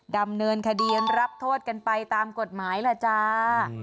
ดำเนินคดีรับโทษกันไปตามกฎหมายล่ะจ้า